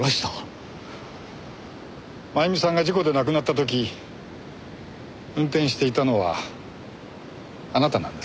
真由美さんが事故で亡くなった時運転していたのはあなたなんです。